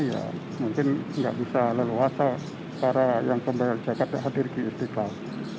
ya mungkin nggak bisa leluasa para yang pembayar zakat yang hadir di istiqlal